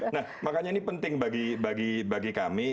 nah makanya ini penting bagi kami